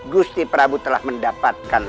gusti prabu telah mendapatkan